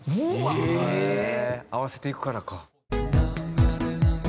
合わせていくからか。